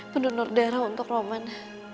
pendonor darah untuk roman